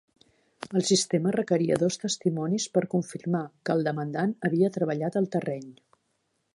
El sistema requeria dos testimonis per confirmar que el demandant havia treballat el terreny.